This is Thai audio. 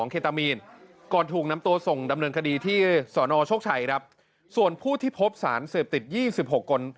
เคตามีนก่อนถูกนำตัวส่งดำเนินคดีที่สนโชคชัยครับส่วนผู้ที่พบสารเสพติด๒๖คน